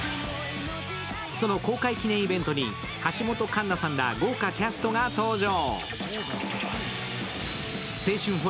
公開記念イベントに橋本環奈さんら豪華キャストが登場。